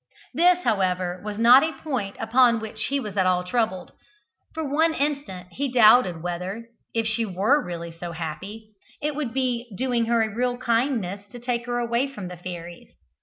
This, however, was not a point upon which he was at all troubled. For one instant he doubted whether, if she were really so happy, it would be doing her a real kindness to take her away from the fairies.